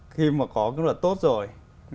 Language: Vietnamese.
khi mà có cái luật tốt rồi